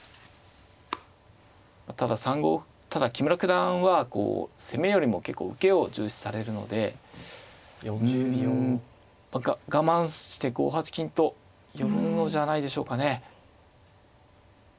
ただ木村九段はこう攻めよりも結構受けを重視されるのでうん我慢して５八金と寄るのじゃないでしょうかね。